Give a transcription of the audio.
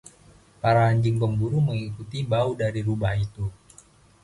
Para anjing pemburu mengikuti bau dari rubah itu.